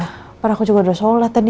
karena aku juga udah sholat tadi